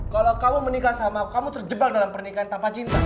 kalau kamu menikah sama kamu terjebak dalam pernikahan tanpa cinta